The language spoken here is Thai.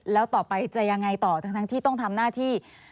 แล้วต่อไปจะยังไงต่อทั้งที่ต้องทำหน้าที่